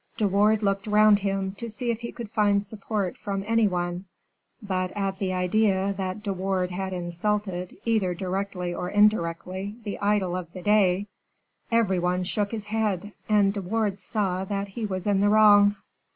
De Wardes looked round him, to see if he could find support from any one; but, at the idea that De Wardes had insulted, either directly or indirectly, the idol of the day, every one shook his head; and De Wardes saw that he was in the wrong.